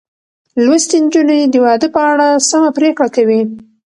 لوستې نجونې د واده په اړه سمه پرېکړه کوي.